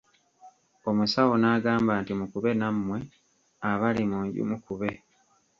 Omusawo n'agamba nti Mukube nammwe, abali mu nju mukube!